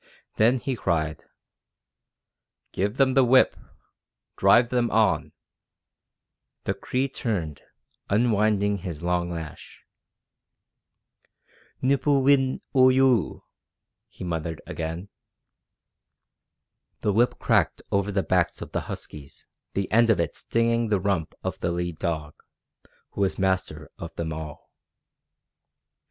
Then he cried: "Give them the whip! Drive them on!" The Cree turned, unwinding his long lash. "Nipoo win Ooyoo!" he muttered again. The whip cracked over the backs of the huskies, the end of it stinging the rump of the lead dog, who was master of them all.